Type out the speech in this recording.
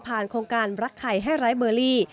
ผ่านโครงการรักไข่ให้ไลฟ์เบอร์ลี่